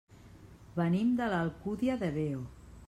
Venim de l'Alcúdia de Veo.